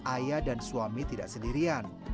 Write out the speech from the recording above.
ayah dan suami tidak sendirian